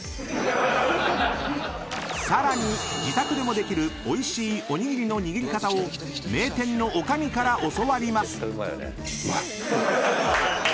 ［さらに自宅でもできるおいしいおにぎりの握り方を名店の女将から教わります］